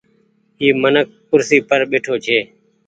اي منک ڪرسي پر ٻيٺو ڇي۔